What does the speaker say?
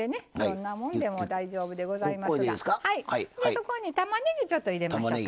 そこにたまねぎちょっと入れましょうか。